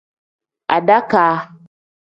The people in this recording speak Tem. Adakaa.